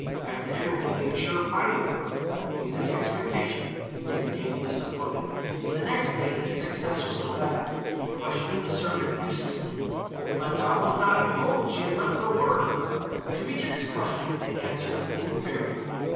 After dinner he made sure of finding her. In this expectation he was again disappointed. The next day his success was no better. He questioned the servant uselessly. "Madame was not at home, she had left no word." To each of his questions the answer was invariable.